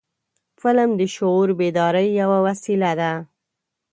فلم د شعور بیدارۍ یو وسیله ده